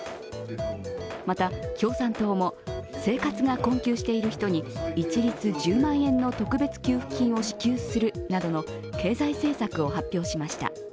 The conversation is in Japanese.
また、共産党も生活が困窮している人に一律１０万円の特別給付金を支給するなどの経済政策を発表しました。